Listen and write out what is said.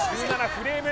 フレーム